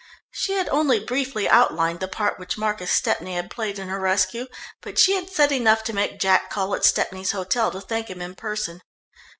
She had only briefly outlined the part which Marcus Stepney had played in her rescue, but she had said enough to make Jack call at Stepney's hotel to thank him in person.